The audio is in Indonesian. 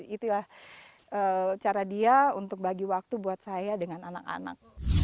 itulah cara dia untuk bagi waktu buat saya dengan anak anak